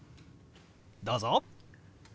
どうぞ！